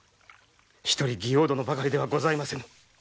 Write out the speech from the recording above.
一人妓王殿ばかりではございませぬ。